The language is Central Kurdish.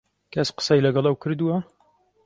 کەس قسەی لەگەڵ ئەو کردووە؟